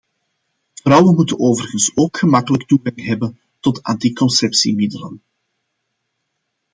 Vrouwen moeten overigens ook gemakkelijk toegang hebben tot anticonceptiemiddelen.